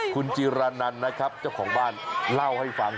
คุณจิรานันนะครับเจ้าของบ้านเล่าให้ฟัง